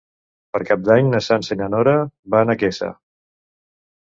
Per Cap d'Any na Sança i na Nora van a Quesa.